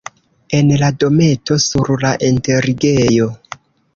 En la dometo sur la enterigejo.